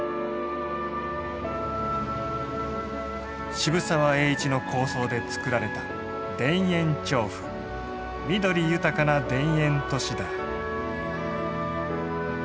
渋沢栄一の構想で造られた緑豊かな田園都市だ。